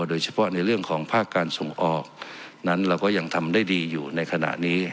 โดยเฉพาะในเรื่องของภาคการส่งออกนั้นเราก็ยังทำได้ดีอยู่ในขณะนี้